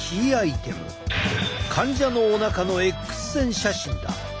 患者のおなかのＸ線写真だ。